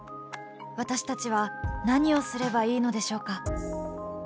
私たちは何をすればいいのでしょうか。